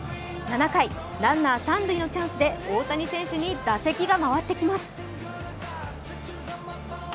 ７回、ランナー三塁のチャンスで大谷選手に打席が回ってきます。